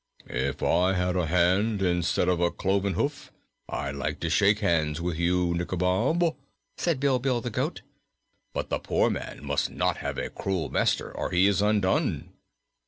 "If I had a hand, instead of a cloven hoof, I'd like to shake hands with you, Nikobob," said Bilbil the goat. "But the poor man must not have a cruel master, or he is undone."